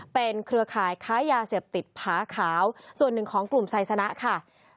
เป็นเครือข่ายค้ายาเสพติดผาขาวส่วนหนึ่งของกลุ่มไซสนะค่ะ